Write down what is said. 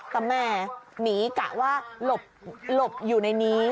แต่แม่หนีกะว่าหลบอยู่ในนี้